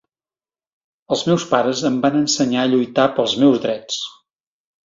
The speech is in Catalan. Els meus pares em van ensenyar a lluitar pels meus drets.